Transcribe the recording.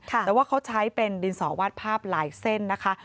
แต่ว่าเขาใช้เป็นดินสอวาดภาพหลายเส้นนะคะ